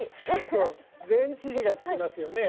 そう前置詞がつきますよね。